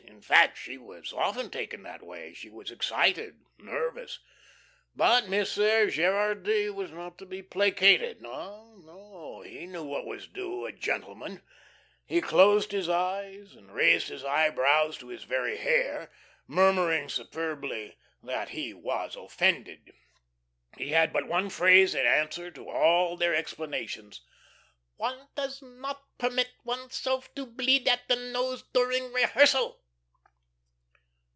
In fact she was often taken that way; she was excited, nervous. But Monsieur Gerardy was not to be placated. Ah, no! He knew what was due a gentleman. He closed his eyes and raised his eyebrows to his very hair, murmuring superbly that he was offended. He had but one phrase in answer to all their explanations: "One does not permit one's self to bleed at the nose during rehearsal."